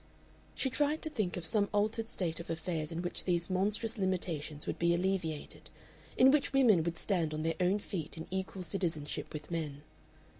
She tried to think of some altered state of affairs in which these monstrous limitations would be alleviated, in which women would stand on their own feet in equal citizenship with men.